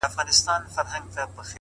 • ور نیژدې یوه جاله سوه په څپو کي,